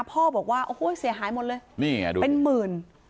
พ่อบอกว่าโอ้โหเสียหายหมดเลยนี่ไงดูเป็นหมื่น